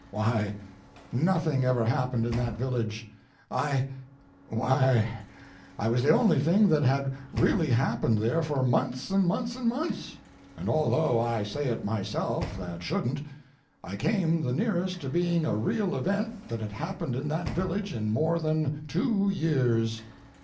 Why, nothing ever happened in that village—I—why, I was the only thing that had really happened there for months and months and months; and although I say it myself that shouldn't, I came the nearest to being a real event that had happened in that village in more than two years.